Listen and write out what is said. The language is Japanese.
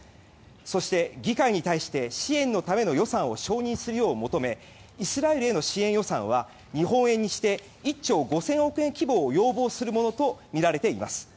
そして、議会に対して支援のための予算を承認するよう求めイスラエルへの支援予算は日本円にして１兆５０００億円規模を要望するものとみられています。